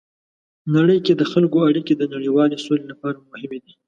نړۍ کې د خلکو اړیکې د نړیوالې سولې لپاره مهمې دي.